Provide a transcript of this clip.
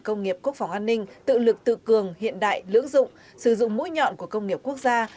công nghiệp quốc phòng an ninh tự lực tự cường hiện đại lưỡng dụng sử dụng mũi nhọn của công nghiệp quốc gia